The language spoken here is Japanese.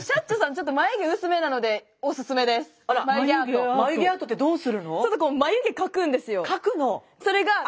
ちょっとこう眉毛描くんですよ。